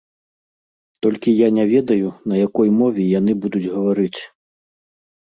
Толькі я не ведаю, на якой мове яны будуць гаварыць.